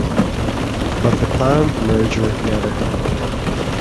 But the planned merger never happened.